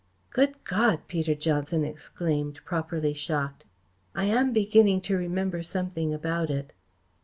"Good God!" Peter Johnson exclaimed, properly shocked. "I am beginning to remember something about it."